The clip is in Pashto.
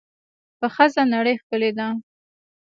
په ښځه نړۍ ښکلې ده.